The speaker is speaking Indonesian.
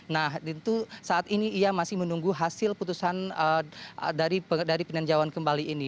nah tentu saat ini ia masih menunggu hasil putusan dari peninjauan kembali ini